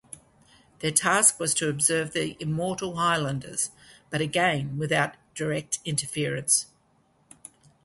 Their task was to observe the immortal "Highlanders", but again without direct interference.